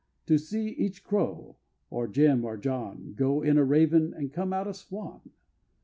To see each Crow, or Jim or John, Go in a raven and come out a swan!